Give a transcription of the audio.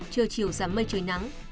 trưa chiều giảm mây trời nắng